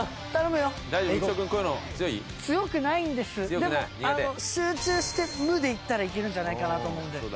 でも集中して無でいったらいけるんじゃないかなと思うんで。